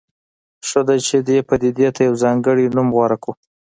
ښه ده چې دې پدیدې ته یو ځانګړی نوم غوره کړو.